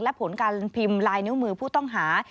และผลการพิมพ์ลายนิ้วมือผู้ต้องหา